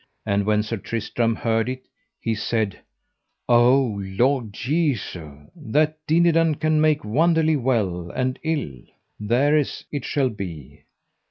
And when Sir Tristram heard it, he said: O Lord Jesu, that Dinadan can make wonderly well and ill, thereas it shall be.